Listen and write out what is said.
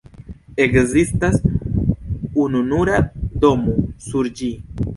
Ekzistas ununura domo sur ĝi.